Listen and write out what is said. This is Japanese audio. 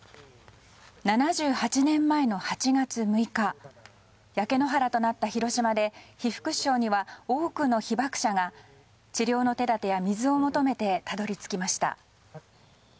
７８年前の８月６日焼け野原となった広島で被服支廠には多くの被爆者が治療の手だてや、水を求めてたどり着きました。